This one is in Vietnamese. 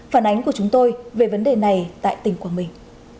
phản ánh của chúng tôi về vấn đề này tại tỉnh quảng bình